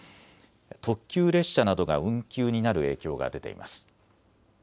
特急列車などが運休になる影響が出ています。